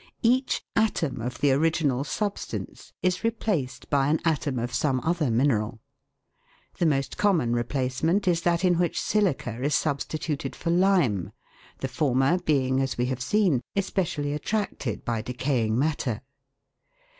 Each atom of the original substance is replaced by an atom of some other mineral. The most common replacement is that in which silica is substituted for lime, the former being, as we have seen, especially attracted by decaying matter.